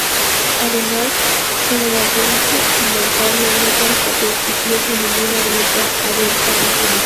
Además en el antedicho inventario no consta que existiese ninguna ermita abierta al público.